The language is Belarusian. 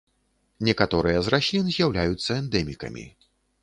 Некаторыя з раслін з'яўляюцца эндэмікамі.